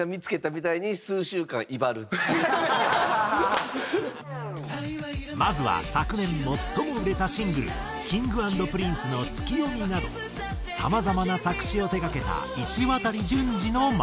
メモってまずは昨年最も売れたシングルＫｉｎｇ＆Ｐｒｉｎｃｅの『ツキヨミ』などさまざまな作詞を手がけたいしわたり淳治のマイベスト。